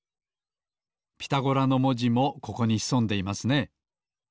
「ピタゴラ」のもじもここにひそんでいますね。